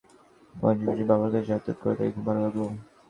পওহারী বাবার কাছে যাতায়াত করে তাঁকে খুব ভাল লাগল।